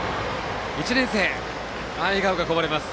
１年生、笑顔がこぼれます。